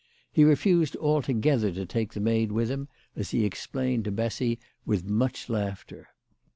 He refused alto gether to take the maid^with him, as he explained to Bessy with much laughter.